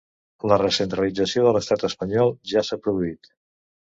La recentralització de l’estat espanyol ja s’ha produït.